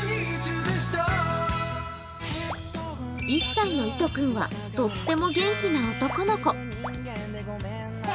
１歳のいと君はとっても元気な男の子。